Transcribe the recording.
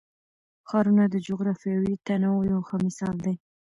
ښارونه د جغرافیوي تنوع یو ښه مثال دی.